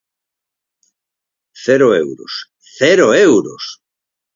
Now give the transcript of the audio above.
Cero euros, ¡cero euros!